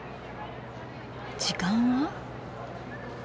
時間は。